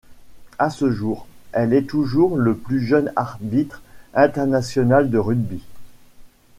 À ce jour, elle est toujours le plus jeune arbitre international de rugby.